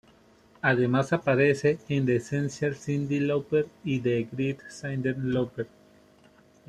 Además aparece en "The Essential Cyndi Lauper" y "The Great Cyndi Lauper".